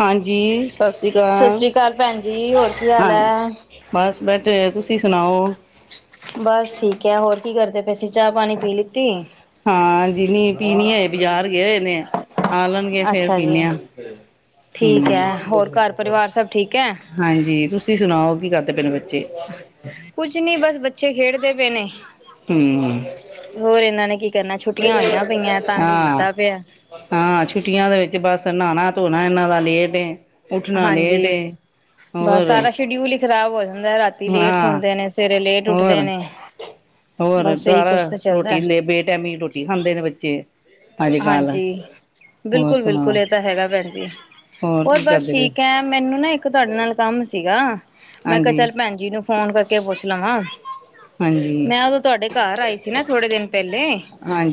ਹਾਂਜੀ। ਸਤਿ ਸ਼੍ਰੀ ਸਤਿ ਸ੍ਰੀ ਅਕਾਲ ਭੈਣ ਜੀ, ਹੋਰ ਕੀ ਹਾਲ ਹੈ। ਬੈਟੇ ਹੋਆ ਤੁਸੀਂ ਸੁਣਾਓ ਬਸ ਠੀਕ ਹੈ, ਹੋਰ ਕੀ ਕਰਦੇ ਪਏ ਸੀ, ਚਾਹ ਪਾਣੀ ਪੀ ਲਿੱਤੀ। ਹਾਂ ਜਿਨੀ ਪੀਣੀ ਆਏ ਬਜ਼ਾਰ ਗਏ ਹੋਏ ਨੇ ਆ ਲਣਗੇ ਫੇਰ ਅੱਛਾ ਜੀ ਪੀਨੇ ਆ ਠੀਕ ਹਮ ਹੈ ਹੋਰ ਘਰ ਪਰਿਵਾਰ ਸਭ ਠੀਕ ਹੈ? ਹਾਂਜੀ ਤੁਂ ਤੁਸੀ ਸੁਣਾਓ ਕੀ ਕਰਦੇ ਪਿੰਡ ਵਿੱਚ ਕੁਛ ਨੀ ਬਸ ਬੱਚੇ ਖੇਡਦੇ ਪਏ ਨੇ ਹਮ ਹੋਰ ਇਹਨਾਂ ਨੇ ਕੀ ਕਰਨਾ ਛੁੱਟੀਆਂ ਹੋਈਆਂ ਪਈਆਂ ਤੰਗ ਹਾਂ ਕੀਤਾ ਪਿਆ ਹਾਂ ਛੁੱਟੀਆਂ ਦੇ ਵਿੱਚ ਬਸ ਨਹਾਣਾ ਧੋਣਾ ਇਹਨਾ ਦਾ ਲੇਟ ਐ ਉੱਠਣਾ ਲੇਟ ਹਾਂਜੀ। ਤੇੇ ਬਸ ਹੋਰ ਸਾਰਾ ਸ਼ਡਿਊਲ ਹੀ ਖ਼ਰਾਬ ਹੋ ਜਾਂਦਾ ਰਾਤੀ ਲੇਟ ਹਾਂ ਸੌਦੇ ਨੇ ਸਵੇਰੇ ਲੇਟ ਉੱਠਦੇ ਨੇ। ਹੋਰ-ਹੋਰ ਬਸ ਇਹੀ ਦੁਬਾਰਾ ਕੁਛ ਤਾਂ ਰੋਟੀ ਚੱਲਦਾ ਲ ਬੇ ਟੈਮੀ ਰੋਟੀ ਖਾਂਦੇ ਨੇ ਬੱਚੇ ਅੱਜ ਕੱਲ ਹਾਂਜੀ ਹੋਰ ਬਿਲਕੁਲ ਬਿਲਕੁਲ ਸੁਣਾ? ਇਹ ਤਾਂ [inaudible] ਹੋਰ ਕੀ ਕਰਦੇ ਠੀਕ ਹੈ ਮੈਨੂੰ ਨਾ ਇੱਕ ਤੁਹਾਡੇ ਨਾਲ ਕੰਮ ਸੀਗਾ ਮੈਂ ਕਿਹਾ ਹਾਂਜੀ, ਚੱਲ ਭੈਣ ਜੀ ਨੂੰ ਫੋਨ ਕਰਕੇ ਪੁੱਛ ਲ ਵਾਂ ਹਾਂਜੀ, ਮੈਂ ਉਦੋਂ ਤੁਹਾਡੇ ਘਰ ਆਈ ਸੀ ਨਾ ਥੋੜੇ ਦਿਨ ਪਹਿਲੇ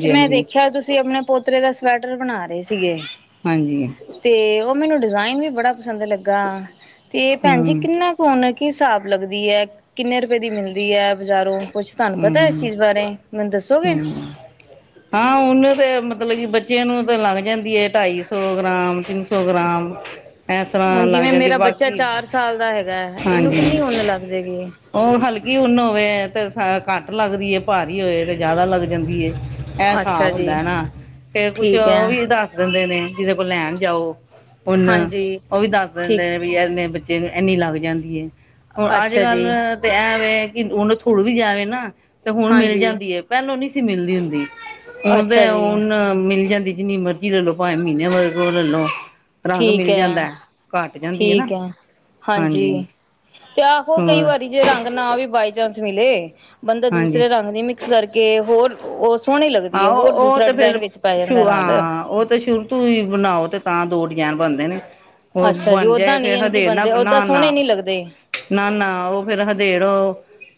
ਤੇ ਮੈਂ ਹਾਂਜੀ। ਦੇਖਿਆ ਤੁਸੀਂ ਆਪਣੇ ਪੋਤਰੇ ਦਾ ਸਵੈਟਰ ਬਣਾ ਰਹੇ ਸੀ ਸੀਗੇ ਹਾਂਜੀ, ਤੇ ਉਹ ਮੈਨੂੰ ਡਿਜ਼ਾਇਨ ਵੀ ਬੜਾ ਪਸੰਦ ਲੱਗਾ ਤੇ ਭੈਣ ਜੀ ਹੂੰ, ਕਿੰਨਾ ਕੁਣ ਕੀ ਹਿਸਾਬ ਲੱਗਦੀ ਹੈ ਕਿੰਨੇ ਰੁਪਏ ਦੀ ਮਿਲਦੀ ਹੈ ਬਜ਼ਾਰੋਂ ਕੁਛ ਤੁਹਾਨੂੰ ਪਤਾ ਇਸ ਹਮ-ਹਮ ਚੀਜ਼ ਬਾਰੇ ਮੈਨੂੰ ਦੱਸੋਗੇ ਹਾਂ ਉਹਨੇ ਤੇ ਮਤਲਬ ਕਿ ਬੱਚੇ ਨੂੰ ਤੇ ਲੰਘ ਜਾਂਦੀ ਹੈਏ ਢਾਈ ਸੌ ਗ੍ਰਾਮ ਸੌ ਗ੍ਰਾਮ ਇਸ ਤਰ੍ਹਾਂ ਹੁਣ ਲੱਗ ਜਿਵੇਂ ਜਾਂਦੀ ਮੇਰਾ ਬੱਚਾ ਬਾਕੀ ਚਾਰ ਸਾਲ ਦਾ ਹੈਗਾ ਇਹਨੂੰ ਹਾਂਜੀ ਕਿੰਨੀ ਉੱਨ ਲੱਗ ਜਾਏਗੀ ਉਹ ਹਲਕੀ ਹੁਨ ਹੋਵੇ ਤੇ ਅ ਘੱਟ ਲੱਗਦੀ ਹੈ ਭਾਰੀ ਹੋਏ ਤੇ ਜਿਆਦਾ ਲੱਗ ਜਾਂਦੀ ਇਹਸਫ਼ ਅੱਛਾ ਜੀ ਹੁੰਦਾ ਹਨਾ ਤੇ ਕੁਛ ਠੀਕ ਉਹ ਹੈ ਵੀ ਦੱਸ ਦਿੰਦੇ ਨੇ ਜਿਹਦੇ ਕੋਲ ਲੈਣ ਜਾਓ ਹਨ ਹਾਂਜੀ ਉਹ ਵੀ ਦੱਸ ਠੀਕ ਦਿੰਦੇ ਨੇ ਵੀ ਇਹਨੇ ਬੱਚੇ ਇਨੀ ਲੱਗ ਜਾਂਦੀ ਏ ਹੁਣ ਅੱਜ ਅੱਛਾ ਜੀ ਕੱਲ ਤੇ ਐਂ ਵ ਨੇ ਥੋੜਾ ਵੀ ਜਾਵੇ ਨਾ ਤੇ ਹੁਣ ਮਿਲ ਹਾਂਜੀ ਜਾਂਦੀ ਹੈ ਪਹਿਲੋ ਨੀ ਸੀ ਇੱਥ ਮਿਲਦੀ ਹੁੰਦੀ ਉਹ ਅੱਛਾ ਤੇ ਜੀ ਉਹਨ ਮਿਲ ਜਾਂਦੀ ਨੀ ਮਰਜ਼ੀ ਜੀ ਲੈ ਲੋ ਪੰਜ ਮਹੀਨੇ ਬਾਦ ਲੈਲੋ ਰੰਗ ਠੀਕ ਮਿਲ ਹੈ ਜਾਂਦਾ ਘੱਟ ਜਾਂਦੀ ਹੈ ਨਾ ਹਾਂਜੀ, ਤੇ ਆਹੋ ਕਈ ਹੋਰ ਵਾਰੀ ਜੇ ਰੰਗ ਨਾ ਆਵੇ ਬਾਈ ਚਾਂਸ ਮਿਲੇ, ਬੰਦਾ ਹਾਂਜੀ ਦੂਸਰੇ ਰੰਗ ਦੀ ਮਿਕਸ ਕਰਕੇ ਹੋਰ ਉਸ ਹਾਂ ਉਹ ਤੇ ਫੇਰ ਸ਼ ਜਾਂਦਾ ਨਾਲ ਹਾਂ ਉਹ ਤੇ ਸ਼ੁਰੂ ਤੁਸੀ ਬਣਾਓ ਤੇ ਤਾਂ ਦੋ ਡਿਜਾਇਨ ਬਣਦੇ ਨੇ ਉਹ ਅੱਛਾ ਜੀ ਬਣ ਜਾਏ ਓਦਾਂ ਨੀ ਫੇਰ ਐ ਕਿ ਹਦੇੜ ਨਾ ਬੰਦੇ ਓਦਾਂ ਨਾ ਨਾ ਸੋਹਣੇ ਨੀ ਲੱਗਦੇ। ਨਾ ਨਾ ਉਹ ਫੇਰ ਹਦੇੜੋ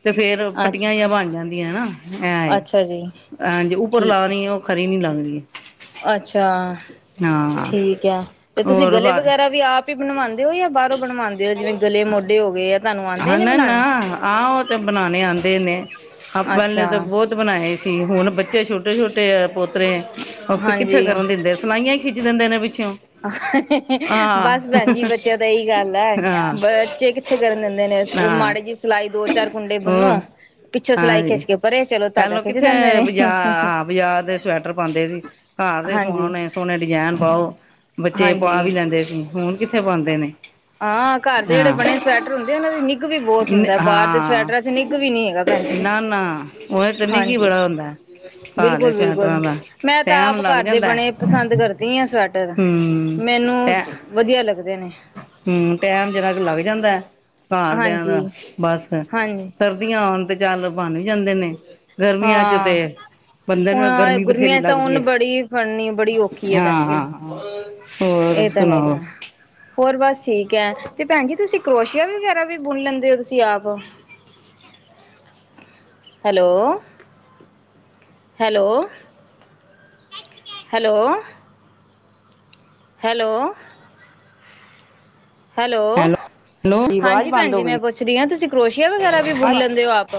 ਤੇ ਫੇਰ ਅੱਛਾ ਫੱਟੀਆਂ ਜੀਆਂ ਬਣ ਜਾਂਦੀਆਂ ਹਨਾ ਐ ਏ। ਅੱਛਾ ਜੀ ਹਾਂਜੀ ਉਪਰ ਠੀਕ ਲਾਣੀ ਉਹ ਖਰੀ ਨੀ ਲਾ [inaudible] ਅੱਛਾ ਠੀਕ ਹੈ ਤੇ ਤੁਸੀਂ ਹੋਰ ਗਲੇ ਬਸ ਵਗੈਰਾ ਵੀ ਆਪ ਤੇ ਬਣਵਾ ਵਾਦੇ ਔ ਜਾਂ ਬਾਹੋਂ ਬਣਵਾਦੇ ਜਿਵੇਂ ਗਲੇ ਮੋਢੇ ਹੋ ਗਏ। ਤੁਹਾਨੂੰ ਆਉਂਦੇ ਹਨ, ਨੇ ਨਾ -ਨਾ ਬਣਾਉਣੇ? ਆਹ ਉਹ ਤੇ ਬਣਾਣੇ ਆਂਦੇ ਨੇ ਪਹਿਲੇ ਤਾਂ ਅੱਛਾ ਬਹੁਤ ਬਣਾਏ ਸੀ ਹੁਣ ਬੱਚੇ ਛੋਟੇ ਛੋਟੇ-ਛੋਟੇ ਏ ਪੁ ਕਿੱਥੇ ਹਾਂਜੀ। ਕਰਨ ਦਿੰਦੇ ਸਲਾਈਆਂ ਖਿੱਚ ਲੈਂਦੇ ਨੇ ਵਿੱਚ [inaudible] ਬਸ ਭੈਣ ਜੀ ਬੱਚਿਆਂ ਤਾਂ ਇਹੀ ਗੱਲ ਹੈ ਹਾਂ ਬੱਚੇ ਕਿੱਥੇ ਕਰਨ ਦਿੰ ਹਾਂ ਬੰਨੋ ਹੋਰ ਪਿੱਛੋਂ ਸਿਲਾਈ ਹਾਂਜੀ ਖਿੱਚ ਕੇ ਪਰੇ ਚਲੋ ਧਾਗਾ ਪਹਿਲੋ ਖਿੱਚ ਕਿੱਥੇ ਦਿੰਦੇ ਨੇ। ਬਾਰ ਹਾਂ ਬਾਜ਼ਾਰ ਦੇ ਸਵੈਟਰ ਪਾਦੇ ਸੀ ਘਰ ਦੇ ਹਾਂਜੀ ਸਵਾਣੇ ਸੋਹਣੇ ਡਿਜਾਇਨ ਪਾਓ। ਬੱਚੇ ਹਾਂਜੀ ਪਾ ਵੀ ਲੈਂਦੇ ਸੀ ਹੁਣ ਕਿੱਥੇ ਪਾਦੇ ਨੇ ਹਾਂ ਘਰ ਦੇ ਜਿਹੜੇ ਹਾਂ। ਬਣੇ ਸਵੈਟਰ [inaudible] ਨਿੱਘ ਵੀ ਬਹੁਤ ਹੁੰਦਾ ਬਾਹਰ ਦੇ ਹਾਂ ਸਵੈਟਰਾਂ 'ਚ ਨਿੱਘ ਵੀ ਨੀ ਹੈਗਾ ਭੈਣ ਜੀ ਨਾ ਨਾ ਉਹ ਤਨੇ ਕੀ ਹਾਂਜੀ ਬੜਾ ਹੁੰਦਾ ਘਰ ਦੇ ਬਿਲਕੁਲ-ਬਿਲਕੁਲ ਸਵੈਟਰਾਂ ਦਾ ਮੈਂ ਤਾਂ ਟੈਮ ਆਪ ਲੱਗ ਘਰ ਦੇ ਜਾਂਦਾ ਬਣੇ ਪਸੰਦ ਕਰਦੀ ਆ ਸਵੈਟਰ ਹਮ ਮੈਨੂੰ ਟੈ ਵਧੀਆ ਲੱਗਦੇ ਨੇ। ਹੂੰ ਟੈਮ ਜਿਹੜਾ ਕ ਲੱਗ ਜਾਂਦਾ। ਘਰਦਿਆਂ ਹਾਂਜੀ ਦਾ ਬਸ ਹਾਂਜੀ ਸਰਦੀਆਂ ਆਣ ਤੇ ਚੱਲ ਬਣ ਵੀ ਜਾਂਦੇ ਨੇ। ਗਰਮੀਆਂ 'ਚ ਤੇ ਹਾਂ ਬੰਦੇ ਨੂੰ ਹੁਣ ਗਰਮੀ ਬਥੇਰੀ ਗਰਮੀਆਂ ਚ ਤਾਂ ਲੱਗਦੀ ਉਨ ਹੈ ਬੜੀ ਫੜਨੀ ਬੜੀ ਔਖੀ ਹੈ ਭੈਣ ਹਾਂ ਜੀ ਇਹ ਹੋਰ ਤਾਂ ਹੈਗਾ ਸੁਣਾਓ। ਹੋਰ ਬਸ ਠੀਕ ਹੈ ਤੇ ਭੈਣ ਜੀ ਤੁਸੀਂ ਕਰੋਸ਼ੀਆ ਵਗੈਰਾ ਵੀ ਬੁਣ ਲੈਂਦੇ ਹੋ ਤੁਸੀਂ ਆਪ hello -hello- hello hello hello hello ਆਵਾਜ਼ ਹਾਂਜੀ ਭੈਣ ਬੰਦ ਹੋ ਜੀ ਗਈ ਮੈਂ ਪੁੱਛਦੀ ਹਾਂ ਤੁਸੀਂ ਕਰੋਸ਼ੀਆ ਵਗੈਰਾ ਵੀ ਬੁਨ ਲੈਂਦੇ ਹੋ ਆਪ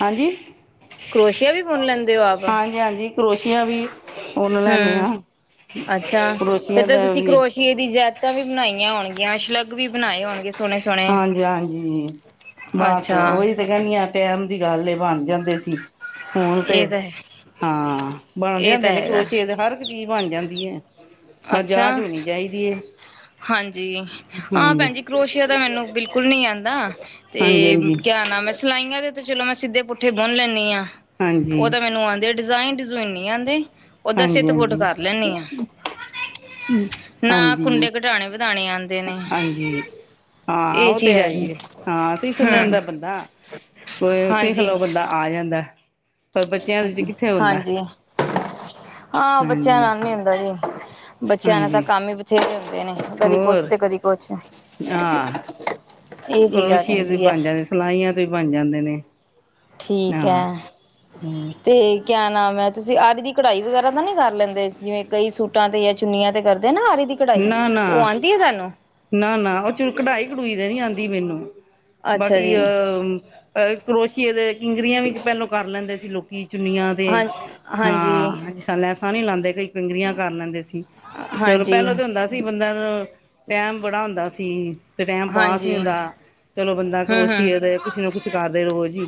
ਹਾਂਜੀ ਕਰੋਸ਼ੀਆ ਵੀ ਬੁਨ ਲੈਂਦੇ ਹੋ ਆਪ ਹਾਂਜੀ ਹਾਂਜੀ ਕਰੋਸ਼ੀਆ ਵੀ ਉਹਨੂੰ ਲੈਂਦੇ ਹੂੰ ਹਾਂ ਅੱਛਾ ਕਰੋਸ਼ੀਆ ਫੇਰ ਤਾਂ ਦਾ ਤੁਸੀਂ ਵੀ ਕਰੋਸ਼ੀਏ ਦੀ ਜੈਕਟਾ ਵੀ ਬਣਾਈਆਂ ਹੋਣਗੀਆਂ। ਸ਼ਲੱਗ ਵੀ ਬਣਾਏ ਹੋਣਗੇ ਸੋਹਣੇ ਸੋਹਣੇ ਹਾਂਜੀ ਹਾਂਜੀ ਬਸ ਅੱਛਾ ਉਹੀ ਤੇ ਕਹਿੰਦੀ ਆ ਟੈਮ ਦੀ ਗੱਲ ਐ ਬਣ ਜਾਂਦੇ ਸੀ ਹੁਣ ਤੇ ਇਹ ਤਾਂ ਹੈ ਹਾਂ ਬਣ ਇਹ ਤਾਂ ਜਾਂਦੇ ਨੇ ਹੈਗਾ ਕਰੋਸੀਏ ਦੇ ਹਰ ਇੱਕ ਚੀਜ਼ ਬਣ ਜਾਂਦ ਹੈ ਬਸ ਅੱਛਾ ਜਾਚ ਹੋਣੀ ਚਾਹੀਦੀ ਹੈ ਹਾਂਜੀ ਹਾਂ ਹਾਂਜੀ ਭੈਣਜੀ ਕਰੋਸ਼ਆ ਤਾਂ ਮੈਨੂੰ ਬਿਲਕੁਲ ਨੀ ਆਂਦਾ ਤੇ ਹਾਂਜੀ ਹਾਂਜੀ ਕਿਆ ਨਾਮ ਐ ਸਿਲਾਈਆਂ ਦੇ ਚਲ ਚਲੋ ਮੈ ਸਿੱਧੇ ਪੁੱਠੇ ਬੁਣ ਲੈਨੀ ਹਾਂ ਹਾਂਜੀ ਉਹ ਤਾਂ ਮੈਨੂੰ ਆਉਂਦੇ ਆ ਡਿਜ ਡਿਜ਼ਾਇਨ ਡਿਜ਼ੂਨ ਨਹੀਂ ਆਉਦੇ ਉਦਾਂ ਹਾਂਜੀ ਸਿੱਧ ਪੁੱਟ ਹਾਂਜੀ ਕਰ ਲੈਂਦੀ ਹਾਂ ਨਾ ਹਾਂਜੀ ਕੁੰਡੇ ਘਟਾਣੇ ਵਧਾਣੇ ਆਉਂਦੇ ਨੇ ਹਾਂਜੀ ਹਾਂ ਇਹ ਉਹ ਤੇ ਚੀਜ਼ ਹੈ ਹੀ ਜਾਂਦੀ ਆ ਹਾਂ ਸਿੱਖ ਹਮ ਲੈਂਦਾ ਬੰਦਾ ਕੋ ਸਿੱਖ ਹਾਂਜੀ ਲਓ ਬੰਦਾ ਆ ਜਾਂਦ ਦਾ ਪਰ ਬੱਚਿਆਂ ਵਿੱਚ ਕਿੱਥੇ ਹੁੰਦਾ ਹਾਂਜੀ ਹਾਂ ਬੱਚਿਆਂ ਹਾਂਜੀ ਨਾਲ ਨੀ ਹੁੰਦਾ ਜੀ ਬੱਚਿਆਂ ਨਾਲ ਤਾਂ ਹਾਂਜੀ ਕੰਮ ਹੀ ਬਥੇਰੇ ਹੁੰਦੇ ਨੇ ਕਦੀ ਕੁਛ ਹੋਰ ਤੇ ਕਦੀ ਕੁਛ ਹਾਂ ਇਹ ਚੀਜ਼ ਆ ਕਰੋਸ਼ੀਏ ਦੇ ਜਾਂਦੀ ਹੈ ਬਣ ਜਾਂਦੇ ਸਲਾਈਆਂ ਤੋਂ ਹੀ ਬਣ ਜਾਂਦੇ ਨੇ ਠੀਕ ਹਾਂ ਹੈ ਤੇ ਕਿਆ ਨਾਮ ਹੈ ਤੁਸੀਂ ਆਰੀ ਦੀ ਕਢਾਈ ਵਗੈਰਾ ਤਾਂ ਨੀ ਕਰ ਲੈਂਦੇ ਜਿਵੇਂ ਕਈ ਸੂਟਾਂ ਤੇ ਯਾ ਚੁੰਨੀਆਂ ਤੇ ਕਰ ਨਾ ਆਰੀ ਦੀ ਕਢਾਈ ਨਾ ਉਹ ਨਾ ਆਉਂਦੀ ਹੈ ਤੁਹਾਨੂੰ ਨਾ ਨਾ ਉਹ ਚ ਕਢਾਈ ਕਢੂਈ ਦਾ ਨੀ ਆਉਂਦੀ ਮੈਨੂੰ ਅੱਛਾ ਬਾਕੀ ਜੀ ਅਹ ਕਰੋਸ਼ੀਏ ਦੇ ਕਿੰਗਰੀਆਂ ਵੀ ਪਹਿਲੋਂ ਕਰ ਲੈਂਦੇ ਸੀ ਸੀ ਲੋਕੀ ਚੁਨੀਆਂ ਤੇ ਹਾਂ ਹਾਂਜੀ ਹਾਂ ਸਾਂ ਨੀ ਲਾਂਦੇ ਕਈ ਕਿੰਗਰਿਆ ਕਰ ਲੈਂਦੇ ਸੀ ਚਲੋ ਹਾਂਜੀ ਪਹਿਲੋਂ ਤਾਂ ਹੁੰਦਾ ਸੀ ਬੰਦਾ ਨੂੰ ਟਾਈਮ ਬੜਾ ਹੁੰਦਾ ਸੀ ਤੇ ਟੈਮ ਪਾਸ ਨੀ ਹਾਂਜੀ ਹੁੰਦਾ ਚਲੋ ਬੰਦਾ ਹੂੰ ਹੂੰ ਕਰੋਸ਼ੀਏ ਦੇ ਕੁਛ ਨਾ ਕੁਛ ਕਰਦੇ ਰਹੋ ਜੀ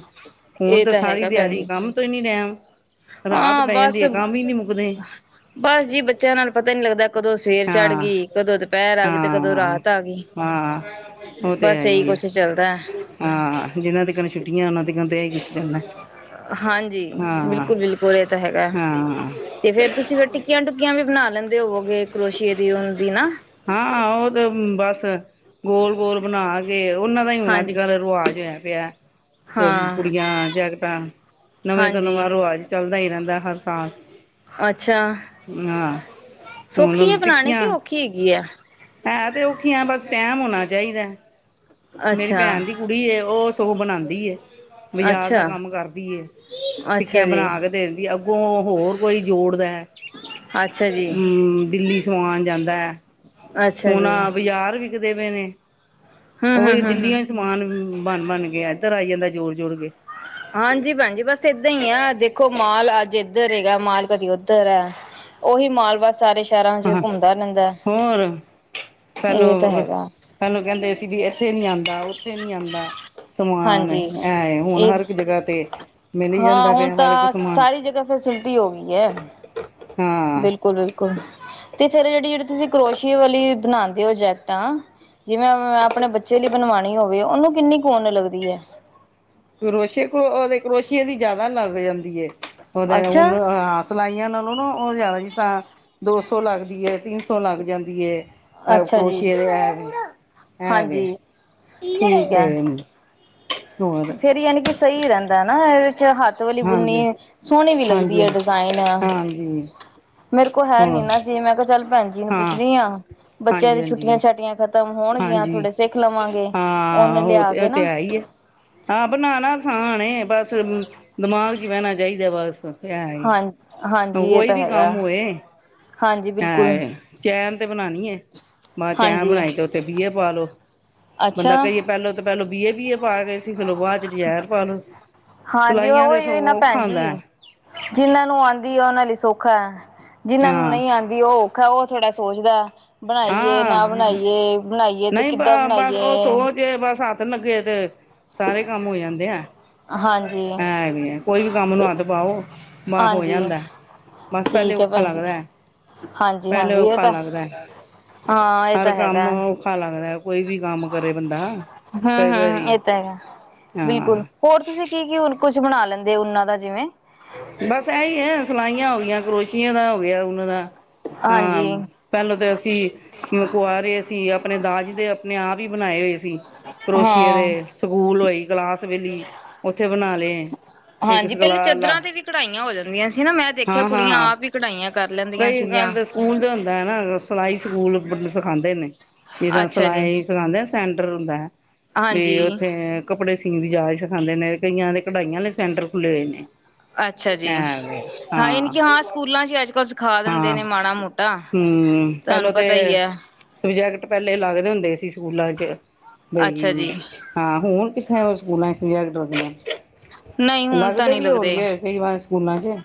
ਹੁਣ ਇਹ ਤਾਂ ਸਾਰੀ ਹੈਗਾ ਭੈਣ ਦਿਹਾੜੀ ਜੀ ਕੰਮ ਤੋਂ ਹੀ ਨੀ ਟਾਈਮ ਹਾਂ ਬਸ ਬਸ ਜੀ ਬੱਚਿਆਂ ਨਾਲ ਪਤਾ ਨੀ ਲੱਗਦਾ ਕਦੋਂ ਸਵੇਰ ਚੜ ਹਾਂ ਗਈ ਕਦੋਂ ਦੁਪਹਿਰ ਆ ਗਈ ਤੇ ਕਦੋਂ ਹਾਂ ਰਾਤ ਆ ਗਈ ਹਾਂ ਉਹ ਤੇ ਬਸ ਹੈ ਇਹੀ ਹੀ ਹੈ ਕੁਛ ਚੱਲਦਾ ਹੈ। ਹਾਂ ਜਿਨਾਂ ਤੀਕਨ ਛੁੱਟੀਆਂ ਉਹਨਾਂ ਤੀਕਨ [unintelligible] ਹਾਂਜੀ। ਹਾਂ ਬਿਲਕੁਲ, ਬਿਲਕੁਲ ਇਹ ਤਾਂ ਹੈਗਾ ਹਾਂ ਤੇ ਫੇਰ ਤੁਸੀਂ ਫਿਰ ਟਿੱਕੀਆਂ ਟੁਕੀਆਂ ਵੀ ਬ ਨਾ ਹਾਂ ਉਹ ਤੇ ਬਸ ਗੋਲ, ਗੋਲ ਬਣਾ ਕੇ। [unintelligible] ਉਹਨਾਂ ਦਾ ਹੀ ਹੁਣ ਅੱਜ, ਹਾਂਜੀ ਕੱਲ੍ਹ ਰਿਵਾਜ ਹੋਇਆ ਪਿਆ ਹਾਂ ਕੁੜੀਆਂ ਜੈਕਟਾਂ ਨਵੇਂ ਤੋਂ ਹਾਂਜੀ ਨਵਾਂ ਰਿਵਾਜ ਚੱਲਦਾ ਦਾ ਹੀ ਰਹਿੰਦਾ ਹਰ ਸਾਲ ਅੱਛਾ। ਹਾਂ ਸੌਖੀ ਹੈ ਬਣਾਉਣੀ ਕੀ ਔਖੀ ਹੈਗੀ ਹੈ। ਹੈਂ ਤੇ ਔਖੀਆਂ ਬਸ ਟੈਮ ਹੋਣਾ ਚਾਹੀਦਾ। ਮੇਰੀ ਅੱਛਾ ਭੈਣ ਦੀ ਕੁੜੀ ਉਹ ਸੋ ਬਣਾਉਂਦੀ ਏ ਬਾਜ਼ਾਰ ਦਾ ਅੱਛਾ ਕੰਮ ਕਰਦੀ ਅੱਛਾ ਟਿੱਕੀਆਂ ਜੀ ਬਣਾ ਕੇ ਦੇਿੰਦੀ ਅ ਹੋਰ ਕੋਈ ਜੋੜਦਾ ਅੱਛਾ ਜੀ ਹਮ ਦਿੱਲੀ ਸਮਾਨ ਜਾਂਦਾ ਹੈ। ਅੱਛਾ ਜੀ ਹੁਣਾ ਬਾਜ਼ਾਰ ਵੀ ਦੇਵੇ ਨੇ। ਹਮ ਉਹਹੀ ਹਮ ਹਮ ਦਿੰਦੀ ਹਮ ਹੋਈ ਸਮਾਨ ਬਣ, ਬਣ ਗਿਆ ਇੱਧਰ ਆਈ ਜਾਂਦਾ ਜੋਰ ਜੋੜ ਗ। ਹਾਂਜੀ। ਭੈਣ ਜ ਬਸ ਏਦਾਂ ਹੀ ਆ ਦੇਖੋ ਮਾਲ ਅੱਜ ਉਧਰ ਹੈਗਾ ਮਾਲ ਕਦੀ ਉੱਧਰ ਹੈ ਉਹੀ ਮਾਲ ਬਸ ਸਾਰੇ ਸ਼ਹਿਰਾਂ ਚ ਹ ਘੁੰਮਦਾ ਰਹਿੰਦਾ ਹੋਰ ਇਹ ਤਾਂ ਪਹਿਲੋ, ਹੈਗਾ ਪਹਿਲੋ ਕਹਿੰਦੇ ਸੀ ਵੀ ਇੱਥੇ ਨੀ ਆਉਂਦਾ। ਨੀ ਆਂਦਾ। ਸਮਾਨ ਹਾਂਜੀ ਐ ਹੁਣ ਇਹ ਹਰ ਇੱਕ ਜਗ੍ਹਾ ਤੇ ਮਿਲ ਹੀ ਹਾਂ ਜਾਂਦਾ ਹੁਣ ਪਿਆ ਤਾਂ ਹਰ ਇੱਕ ਸਮਾਨ ਸਾਰੀ ਜਗ੍ਹਾ ਫੈਸਿਲਿਟੀ ਹੋ ਗਈ ਹੈ ਹਾਂ ਬਿਲਕੁਲ, ਬਿਲਕੁਲ ਤੇ ਫੇਰ ਜਿਹੜੀ ਜਿਹੜੀ ਤੁਸੀਂ ਕਰੋਸ਼ੀ ਵਾਲੀ ਬਣਾਉਦੇ ਹੋ ਜੈਕਟ ਆ ਜਿਵੇਂ ਆਪਣੇ ਬੱਚੇ ਲਈ ਬਣਵਾਣੀ ਹੋਵੇ ਉਹਨੂੰ ਕਿੰਨੀ ਕੋਨ ਲਗਦੀ ਹੈ। ਕਰੋਸ਼ੇ ਕਰੋ ਉਹਦੇ ਕਰੋਸ਼ੀਏ ਦੀ ਜਿਆਦਾ ਲੱਗ ਜਾਂਦੀ। ਉਹਦੇ ਅੱਛਾ ਹੁਣਸ ਲਾਈਆਂ ਲ ਲੋ ਨਾ ਉਹ ਜ਼ਿਆਦਾ ਜ ਤਾਂ ਦੋ ਸੌ ਲੱਗਦੀ ਹੈ। ਤਿੰਨ ਸੌ ਲੱਗ ਜਾਂਦੀ ਹੈ। ਅੱਛਾ ਜੀ ਪੋਸ਼ਏ ਦੇ ਐ ਵੀ ਐ ਵੀ ਹਾਂਜੀ ਤੇ ਹੋਰ ਫਿਰ ਯਨੀ ਸਹੀ ਰਹਿੰਦਾ ਨਾ ਇਹ ਹੱਥ ਵਾਲੀ ਹਾਂਜੀ। ਬੁਨੀ ਸੋਹਣੀ ਵੀ ਲੱਗਦੀ ਹਾਂਜੀ, ਹੈ। ਡਿਜ਼ਾਇਨ ਹਾਂਜੀ ਮੇਰੇ ਕੋਲ ਹੈ ਨੀ ਹੋਰ ਨਾ ਸੀ ਮੈਂ ਕਿਹਾ ਚੱਲ ਭੈਣ ਜੀ ਨੂੰ ਹਾਂ। ਪੁੱਛਦੀ ਆ ਬੱਚਿਆਂ ਦੀ ਹਾਂਜੀ-ਹਾਂਜੀ, ਛੁੱਟੀਆਂ ਛੱਟ ਖਤਮ ਹਾਂਜੀ ਹਾਂਜੀ ਥੋੜੇ ਸਿੱਖ ਲਵਾਂਗੇ ਉਹਨੂੰ ਹਾਂ ਉਹ ਲਿਆ ਤੇ ਕੇ ਉਹ ਤੇ ਨਾ ਹੈ ਈ ਏ। ਹਾਂ ਬ ਨਾ ਨਾ ਕਿਸਾਨ ਬਸ ਦਿਮਾਗ ਚ ਪਹਿਣਾ ਚਾਹੀਦਾ ਬਸ ਐ ਏ। ਹਾਂ ਹਾਂਜੀ ਇਹ ਤਾਂ ਹੈਗਾ ਹਾਂਜੀ ਬਿਲਕੁਲ ਹਾਂ ਚ ਤੇ ਬਣਾਉਣੀ ਹੈ ਮਾਂ ਚੈਣ ਹਾਂਜੀ ਬਣਾਈ ਤੇ ਉੱਥੇ ਬੀਹੇ ਪਾ ਲੋੋ ਬੰਦਾ ਅੱਛਾ ਕਹੀਏ ਪਹਿਲੋ ਤੇ ਪਹਿਲੋਂ ਬੀਏ ਬੀ ਏ ਪਾਇ ਗਏ ਸੀ ਚਲੋ ਬਾਅਦ ਚਜਹਿਰ ਪਾਾਲੋ ਹਾਂਜੀ ਸਿਲਾਈਆਂ ਤੇ ਉਹੀ ਨਾ ਸੋਂ ਭੈਣ ਖਾਂਦਾ ਜੀ ਜਿਹਨਾਂ ਨੂੰ ਆਉਂਦੀ ਆ ਉਹਨਾਂ ਲਈ ਸੌਖਾ ਜਿਹਨਾਂ ਨੂੰ ਹਾਂ। ਨਹੀਂ ਆਉਂਦੀ ਉਹ ਔਖਾ ਉਹ ਥੋੜਾ ਸੋਚਦਾ ਬਣਾਈਏ ਨਾ ਹਾਂ ਬਣਾਈਏ-ਬਣਾਈਏ ਤੇ ਕਿੱਦਾਂ ਬਣਾਈਏ ਲਗੇ ਸਾਰੇ ਕੰਮ ਹੋ ਜਾਂਦੇ ਆ ਹਾਂਜੀ ਐਂ ਵੀ ਹੈ ਕੋਈ ਵੀ ਕੰਮ ਨੁ ਅੰਦ ਪਾਓ ਵਾਹ ਹੋ ਹਾਂਜੀ ਜਾਂਦਾ ਬਸ ਪਹਿਲੇ ਠੀਕ ਹੈ ਔਖਾ ਭੈਣ ਜੀ ਲੱਗਦਾ ਹਾਂਜੀ ਪਹਿਲੇ ਹਾਂਜੀ ਇਹ ਔਖਾ ਤਾਂ ਲੱਗਦਾ ਹਾਂ ਇਹ ਹਰ ਤਾਂ ਕੰਮ ਹੈਗਾ ਔਖਾ ਲੱਗਦਾ ਕੋਈ ਵੀ ਕੰਮ ਕਰੇ ਬੰਦਾ। ਕਈ ਹੂੰ-ਹੂੰ ਵਾਰੀ ਇਹ ਤਾਂ ਹੈਗਾ ਹਾਂ ਬਿਲਕੁਲ ਹੋਰ ਤੁਸੀਂ ਕੀ-ਕੀ ਕੁਛ ਬਣਾ ਲੈਂਦੇ ਉਹਨਾਂ ਦਾ ਜਿਵੇਂ ਬਸ ਐਹੀ ਹੈ ਸਿਲਾਈਆਂ ਹੋ ਗਈਆਂ ਕਰੋਸ਼ੀਆਂ ਦਾ ਹੋ ਗਿਆ ਉਹਨਾਂ ਦਾ ਹਾਂ ਹਾਂਜੀ ਪਹਿਲਾਂ ਤਾਂ ਅਸੀਂ ਕੁਆਰੇ ਸੀ ਆਪਣੇ ਦਾਜੀ ਦੇ ਆਪਣੇ ਆਪ ਹੀ ਬਣਾਏ ਹੋਏ ਕਰੋਸ਼ੀਏ ਦੇ ਹਾਂ ਸਕੂਲ ਹੋਈ ਗਲਾਸ ਸਵੇਲੀ ਉੱਥੇ ਬਣਾ ਲਏ। ਇੱਕ ਹਾਂਜੀ ਪਹਿਲੇ ਸਖਲਾਹ ਵਾਲਾ ਚਾਦਰਾਂ ਤੇ ਵੀ ਕਢਾਈਆਂ ਹੋ ਜਾਂਦੀਆਂ ਸੀ ਨਾ ਮੈਂ ਦੇਖਿਆ ਕੁੜੀਆਂ ਹਾਂ-ਹਾਂ ਆਪ ਹੀ ਕਢਾਈਆਂ ਕਰ ਲੈਂਦੀਆਂ ਕਈ ਘਰ ਸੀਗੀਆਂ ਤਾਂ ਸਕੂਲ ਤਾਂ ਹੁੰਦਾ ਹੈ ਨਾ ਸਿਲਾਈ ਸਕੂਲ ਸਿਖਾਦੇ ਨੇ। ਜਿੱਦਾਂ ਅੱਛਾ ਜੀ ਸਿਲਾਈ ਸਿਖਾਉਂਦੇ ਸੈਂਟਰ ਹੁੰਦਾ ਹੈ। ਵੀ ਹਾਂਜੀ ਉੱਥੇ ਕੱਪੜੇ ਅਸੀਂ ਵੀ ਜਾਚ ਸਿਖਾਦੇ ਨੇ ਕਈਆਂ ਦੇ ਕਢਾਈਆਂ ਨੇ ਸੈਂਟਰ ਖੁੱਲ੍ਹੇ ਹੋਏ ਨੇ ਅੱਛਾ ਜੀ ਹਾਂ ਯਾਨੀ ਹੂੰ ਕਿ ਹਾਂ ਸਕੂਲਾਂ 'ਚ ਅੱਜ ਕੱਲ੍ਹ ਸਿਖਾ ਦਿੰਦੇ ਹੂੰ ਨੇ ਮਾੜਾ ਮੋਟਾ ਹੂੰ ਪਹਿਲਾਂ ਤੁਹਾਨੂੰ ਤੇ ਪਤਾ ਹੀ ਹੈ ਪ੍ਰੋਜੈਕਟ ਪਹਿਲੇ ਲੱਗਦੇ ਹੁੰਦੇ ਸੀ ਸਕੂਲਾਂ ਚ ਅੱਛਾ ਜੀ ਹਾਂ ਹੁਣ ਕਿੱਥੇ ਸਕੂਲਾਂ ਸੇਵਾ ਈਦਾ ਦੀ ਐ। ਨਹੀਂ ਹੁਣ ਤਾਂ ਲੱਗਦੇ ਨਹੀਂ ਵੀ ਹੋਣਗੇ ਕਈ ਵਾਰ ਸਕੂਲਾਂ ਚ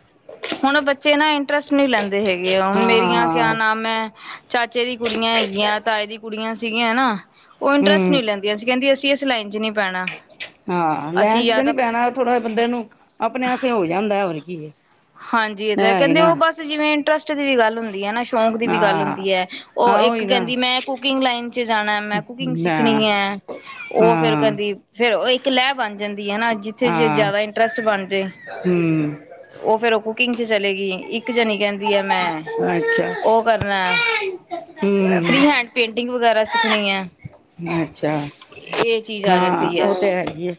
ਹੁਣ ਬੱਚੇ ਨਾ ਇੰਟਰਸਟ ਨੀ ਲੈਂਦੇ ਹੈਗੇ ਆ ਹੁਣ ਹਾਂ ਮੇਰੀਆਂ ਕਿਆ ਹਾਂ ਨਾਮ ਐ ਚਾਚੇ ਦੀ ਕੁੜੀਆਂ ਹੈਗੀਆਂ ਤਾਏ ਦੀ ਕੁੜੀਆਂ ਸੀਗੀਆਂ ਨਾ ਉਹ ਇੰਟਰਸਟ ਹੂੰ ਨਹੀਂ ਲੈਂਦੀਆਂ ਅਸੀਂ ਕਹਿੰਦੀਆਂ ਇਸ ਲਾਈਨ ਚ ਨੀ ਹਾਂ ਲੈਣ ਚ ਤੇ ਨੀ ਪੈਣਾ ਥੋੜ੍ਹਾ ਬੰਦੇ ਨੂੰ ਆਪਣੇ ਤੇ ਹੋ ਜਾਂਦਾ ਹੁਣ ਕੀ ਐ ਹਾਂਜੀ ਇਹ ਤਾਂ ਕਹਿੰਦੇ ਉਹ ਬਸ ਜਿਵੇਂ ਇੰਟਰਸਟ ਦੀ ਵੀ ਗੱਲ ਹੁੰਦੀ ਨਾ ਸ਼ੌਂਕ ਦੀ ਵੀ ਗੱਲ ਹਾਂ ਹੁੰਦੀ ਹੈ ਉਹ ਹਾਂ ਇੱਕ ਉਹੀ ਨਾ ਕਹਿੰਦੀ ਮੈਂ ਕੁਕਿੰਗ ਲਾਈਨ ਚ ਜਾਣਾ ਮੈਂ ਕੁਕਿੰਗ ਨਾ ਸਿੱਖਣੀ ਹੈ ਉਹ ਫੇਰ ਹਾਂ ਕਹਿੰਦੀ ਫੇਰ ਉਹ ਲੈ ਬਣ ਜਾਂਦੀ ਐ ਜਿੱਥੇ ਜੇ ਹਾਂ ਜ਼ਿਆਦਾ ਇੰਟਰਸਟ ਬਣ ਜੇ ਹੂੰ ਫਿਰ ਕੁਕਿੰਗ ਚ ਤੇ ਇੱਕ ਜਾਨੀ ਕਹਿੰਦੀ ਹ ਮੈਂ ਅੱਛਾ ਉਹ ਕਰਨਾ ਹੂੰ ਫਰੀ ਹੈਂਡ ਪੇਂਟਿੰਗ ਪੇਂਟਿੰਗ ਵਗੈਰਾ ਸਿੱਖਣੀ ਐ ਅੱਛਾ ਇਹ ਚੀਜ਼ ਆ ਹਾਂ ਜਾਂਦੀ ਹੈ ਉਹ ਤੇ ਹੈਗੀ ਹੈ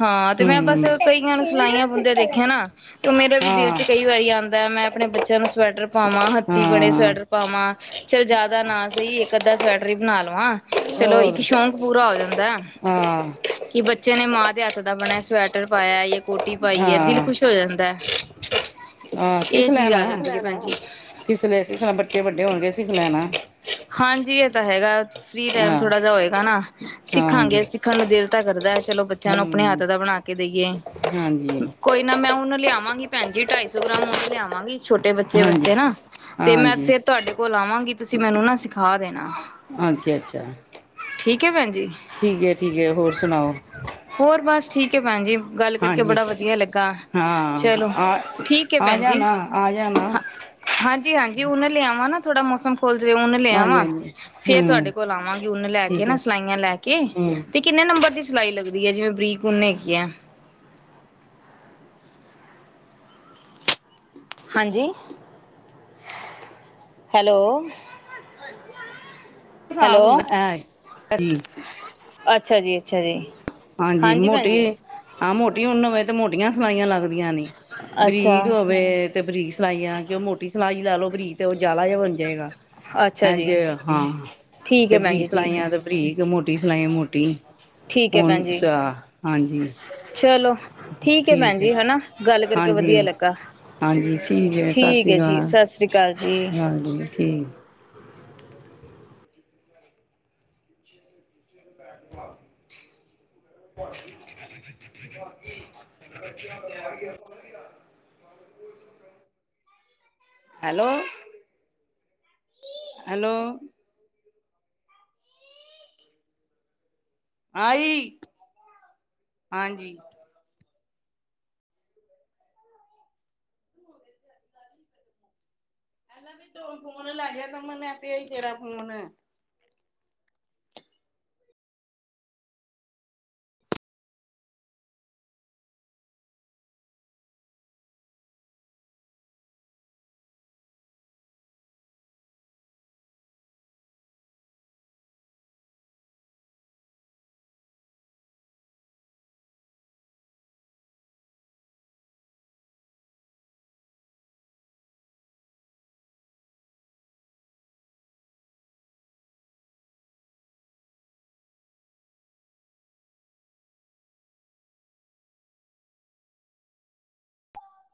ਹਾਂ ਤੇ ਮੈਂ ਬਸ ਹੂੰ ਕਈਆਂ ਨੂੰ ਸਲਾਈਆਂ ਬੁੰਦਿਆਂ ਦੇਖਿਆ ਨਾ ਉਹ ਮੇਰਾ ਵੀ ਦਿਲ ਹਾਂ ਚ ਕਈ ਵਾਰੀ ‌ਆਦ ਆਉਂਦਾ ਮੈਂ ਆਪਣੇ ਬੱਚਿਆਂ ਨੂੰ ਸਵੈਟਰ ਪਾਵਾਂ ਹੱਥੀ ਬਣੇ ਹਾਂ ਸਵੈਟਰ ਪਾਵਾਂ ਚੱਲ ਜਿਆਦਾ ਨਾ ਸਹੀ ਇੱਕ ਅੱਧਾ ਸਵੈਟਰ ਹੀ ਬਣਾ ਲਵਾਂ। ਚਲੋ ਔਰ ਇੱਕ ਸ਼ੌਕ ਪੂਰਾ ਹੋ ਜਾਂਦਾ। ਹਾਂ ਕਿ ਬੱਚਿਆਂ ਨੇ ਮਾਂ ਦੇ ਹੱਥ ਦਾ ਬਣਿਆ ਸਵੈਟਰ ਪਾਇਆ ਇਹ ਕੋਟ ਦਿਲ ਕੋਟੀ ਪਾਈ ਏ ਦਿਲ ਹਾਂ ਖੁਸ਼ ਹੋ ਜਾਂਦਾ। ਹੈ। ਹਾਂ ਸਿੱਖ ਇਹ ਚੀਜ਼ ਲੈਣਾ ਆ ਜਾਂਦੀ ਹੈ ਭੈਣ ਜੀ ਜਿਸ ਵੇਲੇ ਸਿੱਖ ਲੈ ਬੱਚੇ ਵੱਡੇ ਹੋਣਗੇ ਸਿੱਖ ਲੈਣਾ ਹਾਂਜੀ ਇਹ ਤਾਂ ਹੈਗਾ ਫਰੀ ਟਾਈਮ ਹਾਂ ਥੋੜਾ ਜਿਹਾ ਹੋਏਗਾ ਨਾ ਹਾਂਜੀ ਸਿੱਖਾਂਗੇ ਸਿੱਖਣ ਨੂੰ ਦਿਲ [unintelligible] ਚਲੋ ਬੱਚਿਆਂ ਨੂੰ ਆਪਣੇ ਹੱਥ ਹੂੰ ਦਾ ਬਣਾ ਕੇ ਦੇਈਏ ਹਾਂਜੀ ਕੋਈ ਨਾ ਮੈਂ ਉਹਨੂੰ ਲਿਆਵਾਂਗੀ ਭੈਂਜੀ ਢਾਈ ਸੌ ਗ੍ਰਾਮ ਮ ਲਿਆਵਾਂਗੀ ਛੋਟੇ ਬੱਚੇ ਹਾਂਜੀ ਵਾਸਤੇ ਨਾ ਤੇ ਮੈਂ ਹਾਂਜੀ ਫੇਰ ਤੁਹਾਡੇ ਕੋਲ ਆਵਾਂਗੀ ਤੁਸੀਂ ਮੈਨੂੰ ਨਾ ਸਿਖਾ ਦੇਣਾ ਅੱਛਾ ਅੱਛਾ ਠੀਕ ਹੈ ਬ ਠੀਕ ਹੈ ਠੀਕ ਹੈ ਹੋਰ ਸੁਣਾਓ ਕਿ ਪੰਜੀ ਗੱਲ ਕਰਕੇ ਹਾਂਜੀ ਬੜਾ ਵਧੀਆ ਲੱਗਾ ਹਾਂ ਚਲੋ ਆ ਠੀਕ ਹੈ ਆ ਭੈਣ ਜੀ ਜਾਣਾ ਆ ਜਾਣਾ ਹ ਹਾਂਜੀ-ਹਾਂਜੀ ਉਹਨਾਂ ਲ ਆਵਾਂ ਨਾ ਥੋੜਾ ਮੌਸਮ ਖੋੱਲ ਜੇ ਹੋ ਲਿਆ ਹਾਂਜੀ ਵਾਂ ਹਾਂਜੀ ਫੇਰ ਤੁਹਾਡੇ ਹੂੰ ਕੋਲ ਆਵਾਂਗੀ ਉਨੱ ਲੈ ਕੇ ਠੀਕ ਨਾ ਹੈ ਸਿਲਾਈਆਂ ਲੈ ਕੇ ਹੂੰ ਤੇ ਕਿੰਨੇ ਨੰਬਰ ਦੀ ਸਿਲਾਈ ਲੱਗਦੀ ਹੈ ਜਿਵੇਂ ਫਰੀ ਕੁਨ ਹੈਗੀਯਾੱ ਹਾਂਜੀ ਹੈਲੋ ਬ ਹੁੰਦਾ ਹੈ ਹਰੀ ਅੱਛਾ ਜੀ ਅੱਛਾ ਜੀ ਹਾਂਜੀ ਭੈਣ ਮੋਟੀ ਜੀ। ਹਾਂ ਮੋਟੀ ਉਣ ਹੋਵੇਂ ਤੇ ਮੋਟੀਆਂ ਸਲਾਈਆਂ ਲਾਲੋ ਬਰੀਕ ਅੱਛਾ-ਅੱਛਾ ਹੋਵੇ ਤੇ ਬਰੀਕ ਸਿਲਾਈਆਂ ਕਿ ਉਹ ਮੋਟੀ ਸਿਲਾਈ ਲਾ ਲੋ ਬਰੀਜ਼ ਤੇ ਉਹ ਜਾਲਾ ਜਿਹਾ ਬਣ ਜਾਏਗਾ ਹਂ ਜੀ ਜੇ ਹਾਂ ਠੀਕ ਤੇ ਐ ਭੈਣ ਬਰੀਕ ਜੀ ਠੀਕ ਐ ਸਲਾਈਆਂ ਤੇ ਬਰੀਕ ਮੋ ਮੋਟੀ ਸਲਾਈ ਮੋਟੀ ਠੀਕ ਐ ਹਣ ਭੈਣ ਜੀ। ਹਾਂਜੀ ਚਲੋ ਐ ਭੈਣ ਠੀਕ ਜੀ ਹੈ ਹਨਾ ਗੱਲ ਕਰਕੇ ਹਾਂਜੀ ਵਧੀਆ ਲੱਗਾ ਹਾਂਜੀ ਠੀਕ ਹੈ ਸਤਿ ਸ਼੍ਰੀ ਐ ਜੀ ਅਕਾਲ ਸਤਿ ਸ੍ਰੀ ਅਕਾਲ ਜੀ। ਹਾਂਜੀ ਠੀਕ [inaudible] [unintelligible] ਹੈਲੋ ਹੈਲੋ ਆਈ ਹਾਂਜੀ ਆਲਾ ਵੀ ਤੂੰ ਫੋਨ ਲੈ ਗਯਾਇ ਕਮਲ ਏ ਪਿਆ ਤੇਰਾ ਫੋਨ